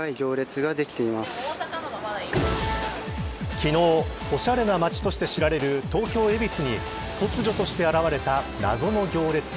昨日、おしゃれな街として知られる東京、恵比寿に突如として現れた謎の行列。